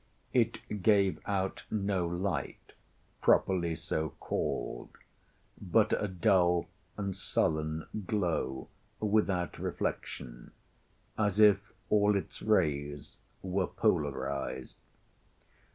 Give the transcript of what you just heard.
It gave out no light, properly so called, but a dull and sullen glow without reflection, as if all its rays were polarized.